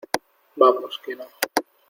vamos, que no...